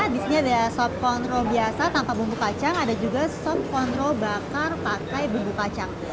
di sini ada sobkondro biasa tanpa bumbu kacang ada juga sobkondro bakar pakai bumbu kacang